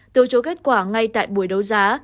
đối chối kết quả ngay tại buổi đấu giá